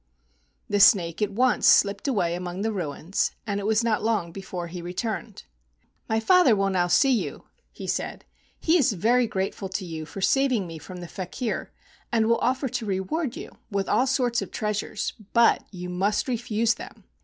The snake at once slipped away among the ruins, and it was not long before he returned. [_"My father will now see you," he said. "He is very grateful to you for saving me from the faker, and will offer to reward you with all sorts of treasures, but you must refuse them.